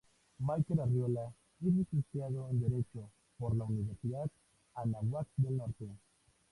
Mikel Arriola es licenciado en Derecho por la Universidad Anáhuac del Norte.